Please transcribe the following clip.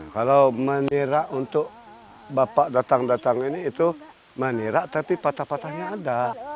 kalau menira untuk bapak datang datang ini itu menira tapi patah patahnya ada